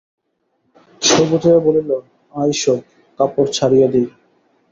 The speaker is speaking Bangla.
সর্বজয়া বলিল, আয় সব, কাপড় ছাড়িয়ে দিই।